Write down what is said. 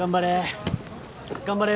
頑張れ！